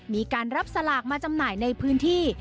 มีการรับสลากมาจำหน่ายในพื้นที่